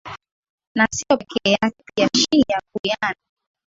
Na sio peke yake pia Shii ya Guiana